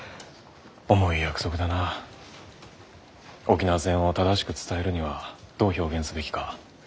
沖縄戦を正しく伝えるにはどう表現すべきか。